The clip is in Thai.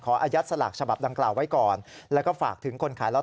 ขออัยัดสลากฉบับดังกล่าวไว้ก่อน